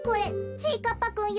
ちぃかっぱくんよ。